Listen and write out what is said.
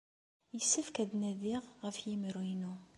Yessefk ad d-nadiɣ ɣef yemru-inu.